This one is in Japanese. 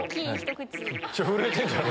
めっちゃ震えてんじゃん。